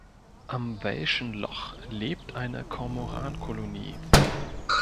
Am Welschen Loch lebt eine Kormoran-Kolonie.